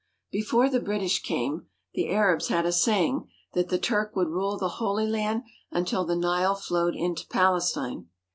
Before the British came the Arabs had a saying that the Turk would rule the Holy Land until the Nile flowed into Palestine.